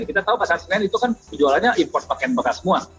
kita tahu pasar senen itu kan penjualannya import pakaian bekas semua